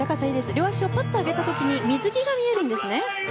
両脚をぱっと上げた時に水着が見えるんですね。